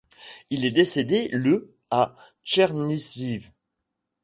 Il est décédé le à Tchernihiv.